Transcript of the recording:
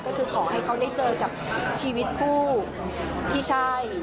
ก็คือขอให้เขาได้เจอกับชีวิตคู่ที่ใช่